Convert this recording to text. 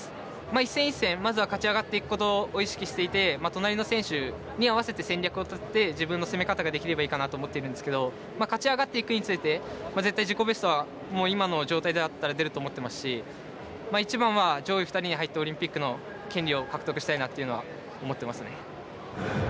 一戦一戦まずは勝ち上がっていくことを意識していて隣の選手に合わせて戦略を立てて自分の攻め方ができればいいなと思っているんですけど勝ち上がっていくにつれて、絶対自己ベストは今の状態だったら出ると思っていますし一番は上位２人に入ってオリンピックの権利を獲得したいなというのは思っていますね。